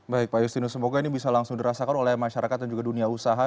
baik pak justinus semoga ini bisa langsung dirasakan oleh masyarakat dan juga dunia usaha